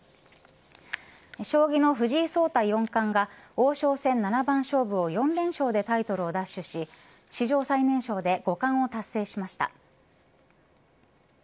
将棋の藤井聡太四冠が王将戦七番勝負を４連勝でタイトルを奪取し史上最年少で五冠を達成しました。